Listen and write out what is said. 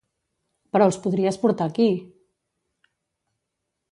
Però els podries portar aquí!